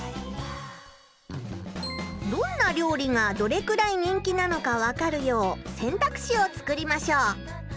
どんな料理がどれくらい人気なのか分かるよう選択肢を作りましょう。